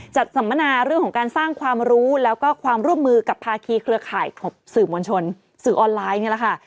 สัมมนาเรื่องของการสร้างความรู้แล้วก็ความร่วมมือกับภาคีเครือข่ายของสื่อมวลชนสื่อออนไลน์นี่แหละค่ะ